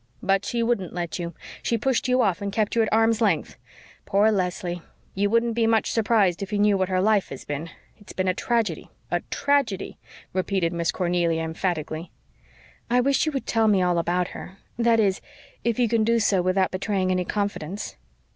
"But she wouldn't let you she pushed you off and kept you at arm's length. Poor Leslie! You wouldn't be much surprised if you knew what her life has been. It's been a tragedy a tragedy!" repeated Miss Cornelia emphatically. "I wish you would tell me all about her that is, if you can do so without betraying any confidence."